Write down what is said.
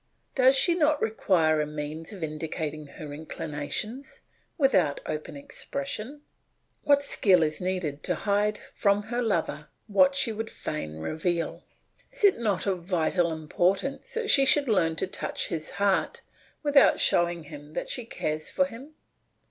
Does she not require a means of indicating her inclinations without open expression? What skill is needed to hide from her lover what she would fain reveal! Is it not of vital importance that she should learn to touch his heart without showing that she cares for him?